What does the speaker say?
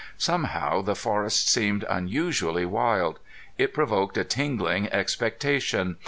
Somehow the forest seemed unusually wild. It provoked a tingling expectation.